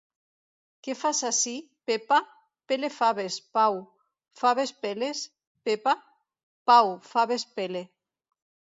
Què fas ací, Pepa? Pele faves, Pau. Faves peles, Pepa? Pau, faves pele.